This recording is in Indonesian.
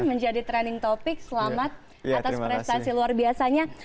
menjadi trending topic selamat atas prestasi luar biasanya